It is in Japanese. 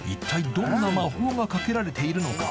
どんな魔法がかけられているのか？